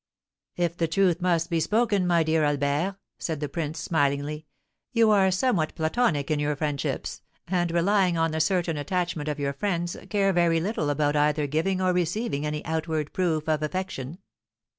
"If the truth must be spoken, my dear Albert," said the prince, smilingly, "you are somewhat platonic in your friendships, and, relying on the certain attachment of your friends, care very little about either giving or receiving any outward proof of affection."